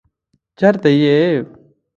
چېرته يې؟